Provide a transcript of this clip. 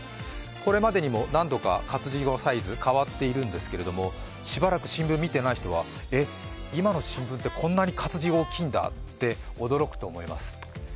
これまでにも何度か活字のサイズ変わっているんですけども、しばらく新聞見ていない人はえっ、今の新聞はこんなに活字が大きいんだと驚くと思います。